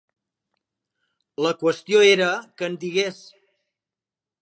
La qüestió era que en digués.